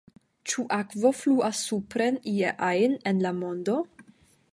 Ĉu akvo fluas supren ie ajn en la mondo?